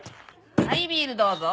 はいビールどうぞ。